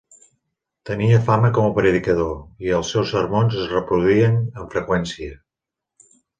Tenia fama com a predicador, i els seus sermons es reproduïen amb freqüència.